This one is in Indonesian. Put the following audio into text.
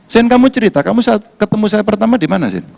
sien kamu cerita kamu ketemu saya pertama dimana sien